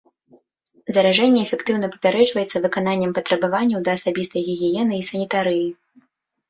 Заражэнне эфектыўна папярэджваецца выкананнем патрабаванняў да асабістай гігіены і санітарыі.